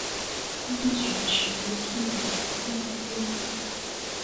光学识别系统加入到第二代。